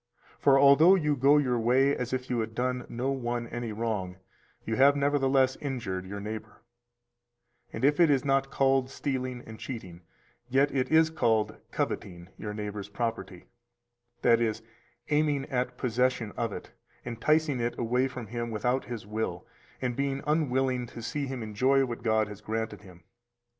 For although you go your way as if you had done no one any wrong, you have nevertheless injured your neighbor; and if it is not called stealing and cheating, yet it is called coveting your neighbor's property, that is, aiming at possession of it, enticing it away from him without his will, and being unwilling to see him enjoy what God has granted him.